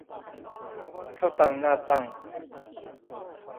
ข้าวตังหน้าตั้ง